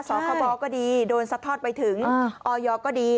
สคบก็ดีโดนซัดทอดไปถึงออยก็ดี